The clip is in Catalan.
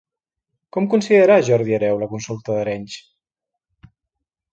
Com considerà Jordi Hereu la consulta d'Arenys?